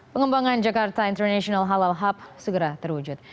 pengembangan jakarta international halal hub segera terwujud